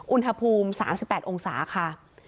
อุณหภูมิ๓๘องศา